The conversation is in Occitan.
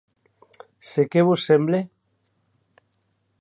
Se qué vos semble?